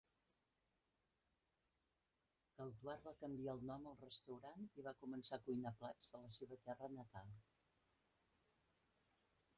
Galatoire va canviar el nom al restaurant i va començar a cuinar plats de la seva terra natal.